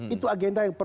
itu agenda yang terbaik